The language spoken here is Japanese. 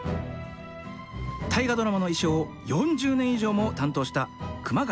「大河ドラマ」の衣装を４０年以上も担当した熊谷晃さん。